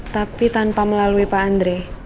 tapi tanpa melalui pak andre